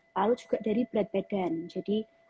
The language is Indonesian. palu juga dari berat badan jadi